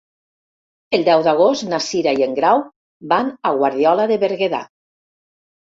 El deu d'agost na Cira i en Grau van a Guardiola de Berguedà.